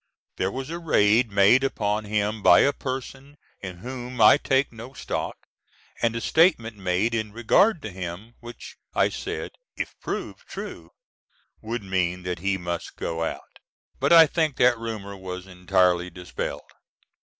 There was a raid made upon him by a person in whom I take no stoc,, and a statement made in regard to him which I said if proved true would mean that he must go out. But I think that rumor was entirely dispelled.